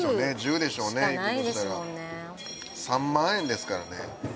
３万円ですからね。